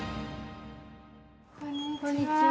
こんにちは。